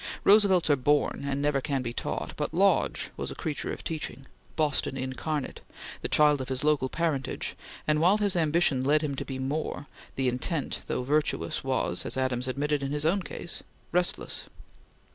Roosevelts are born and never can be taught; but Lodge was a creature of teaching Boston incarnate the child of his local parentage; and while his ambition led him to be more, the intent, though virtuous, was as Adams admitted in his own case restless.